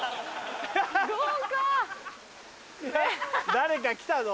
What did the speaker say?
誰か来たぞ。